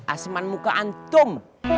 aseman muka antum